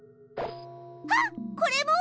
あっこれも！